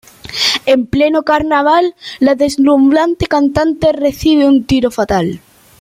En pleno carnaval, la deslumbrante cantante recibe un tiro fatal.